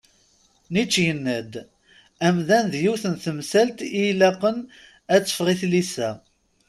Nietzsche yenna-d: Amdan d yiwet n temsalt i ilaqen ad teffeɣ i tlisa.